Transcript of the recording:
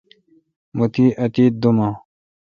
مہ تی اتیت دوم اں